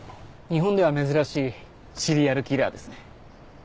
日本では珍しいシリアルキラーですね。